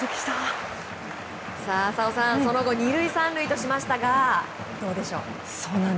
その後、２塁３塁としましたがどうでしょう？